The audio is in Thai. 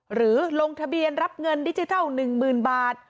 หรือลงทะเบียนรับเงินดิจิทัลหนึ่งหมื่นบาท